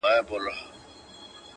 o پلار چوپتيا کي مات ښکاري,